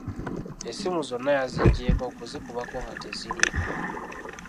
Essimu zonna yazigezaako okuzikubako nga teziriiko.